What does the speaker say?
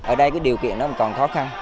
ở đây cái điều kiện đó còn khó khăn